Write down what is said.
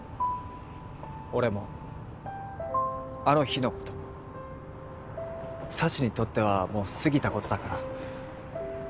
俺もあの日のことも幸にとってはもう過ぎたことだから。